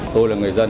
tôi là người dân